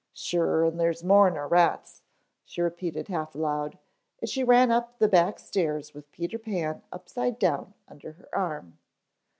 "Sure and there's more nor rats," she repeated half aloud as she ran up the back stairs with Peter Pan upside down under her arm.